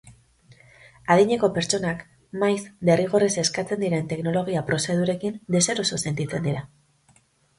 Adineko pertsonak maiz derrigorrez eskatzen diren teknologia prozedurekin deseroso sentitzen dira.